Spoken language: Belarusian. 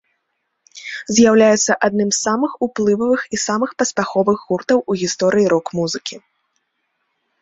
З'яўляецца адным з самых уплывовых і самых паспяховых гуртоў у гісторыі рок-музыкі.